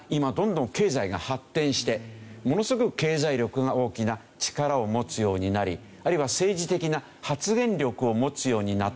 ものすごく経済力が大きな力を持つようになりあるいは政治的な発言力を持つようになった。